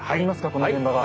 この現場が。